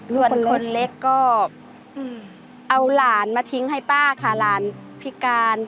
ส่วนคนเล็กก็เอาหลานมาทิ้งให้ป้าค่ะหลานพิการ